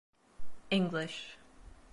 English.